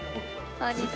こんにちは。